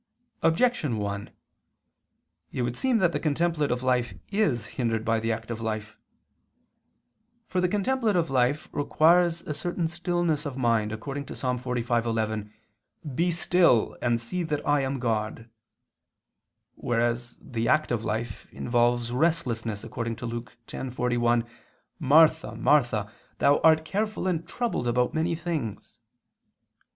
Objection 1: It would seem that the contemplative life is hindered by the active life. For the contemplative life requires a certain stillness of mind, according to Ps. 45:11, "Be still, and see that I am God"; whereas the active life involves restlessness, according to Luke 10:41, "Martha, Martha, thou art careful and troubled about many things."